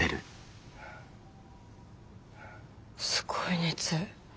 すごい熱。